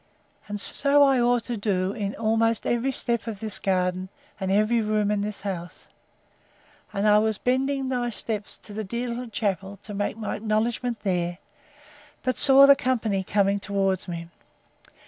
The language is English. And so I ought to do in almost every step of this garden, and every room in this house!—And I was bending my steps to the dear little chapel, to make my acknowledgment there; but I saw the company coming towards me.